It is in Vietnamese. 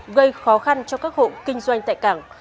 gây khó khăn cho các hộ kinh doanh tại cảng